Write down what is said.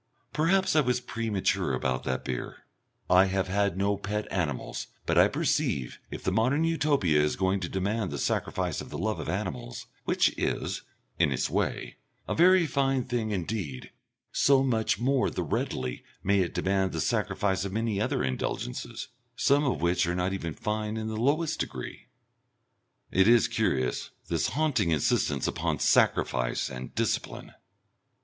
Perhaps I was premature about that beer. I have had no pet animals, but I perceive if the Modern Utopia is going to demand the sacrifice of the love of animals, which is, in its way, a very fine thing indeed, so much the more readily may it demand the sacrifice of many other indulgences, some of which are not even fine in the lowest degree. It is curious this haunting insistence upon sacrifice and discipline!